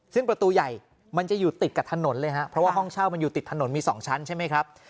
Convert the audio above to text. ซึ่งประตูใหญ่มันจะอยู่ติดกับถนนเลยครับเพราะว่าห้องเช่ามันอยู่ติดถนนมี๒ชั้นใช่ไหมครับ